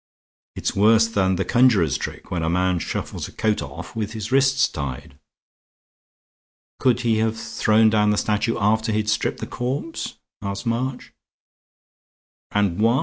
It's worse than the conjurer's trick, when a man shuffles a coat off with his wrists tied." "Could he have thrown down the statue after he'd stripped the corpse?" asked March. "And why?"